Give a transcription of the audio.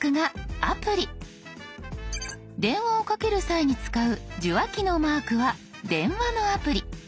電話をかける際に使う受話器のマークは電話のアプリ。